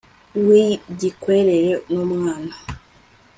uwigikwerere numwana